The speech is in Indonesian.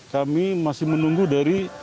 kami masih menunggu dari